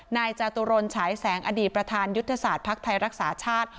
นายจาตุรนฉายแสงอดีตประธานยุทธศาสตร์ภักดิ์ไทยรักษาชาติ